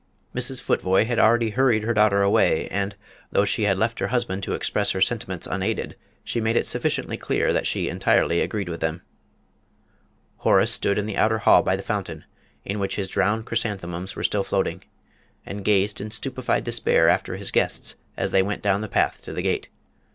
Mrs. Futvoye had already hurried her daughter away, and, though she had left her husband to express his sentiments unaided, she made it sufficiently clear that she entirely agreed with them. Horace stood in the outer hall by the fountain, in which his drowned chrysanthemums were still floating, and gazed in stupefied despair after his guests as they went down the path to the gate.